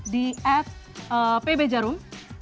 di at pb jarum